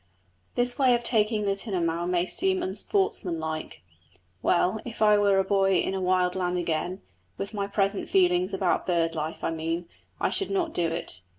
This way of taking the tinamou may seem unsportsmanlike. Well, if I were a boy in a wild land again with my present feelings about bird life, I mean I should not do it.